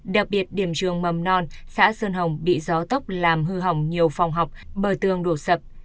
đặc biệt điểm trường mầm non xã sơn hồng bị gió tốc làm hư hỏng nhiều phòng học bờ tường đổ sập